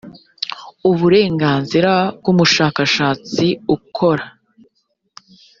uburenganzira bw umushakashatsi ukora